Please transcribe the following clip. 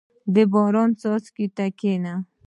• د باران څاڅکو ته کښېنه.